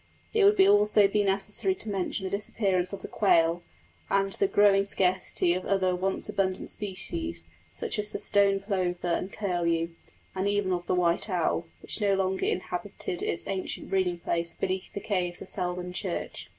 It would also be necessary to mention the disappearance of the quail, and the growing scarcity of other once abundant species, such as the stone plover and curlew, and even of the white owl, which no longer inhabited its ancient breeding place beneath the caves of Selborne Church.